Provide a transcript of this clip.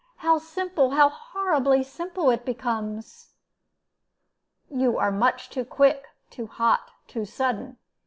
How simple, how horribly simple, it becomes!" "You are much too quick, too hot, too sudden.